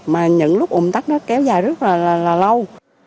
mà những lúc ủng tắc nó kéo dài rất là lâu